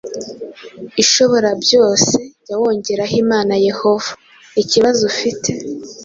ishobora byose, jya wongeraho imana Yehova.Ikibazo ufite,